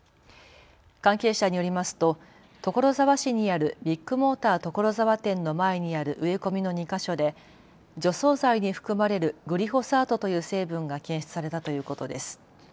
関係者によりますと所沢市にあるビッグモーター所沢店の前にある植え込みの２か所で除草剤に含まれるグリホサートという成分が検出されたということです。